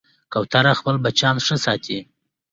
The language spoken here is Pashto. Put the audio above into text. کوتره خپل بچیان ښه ساتي.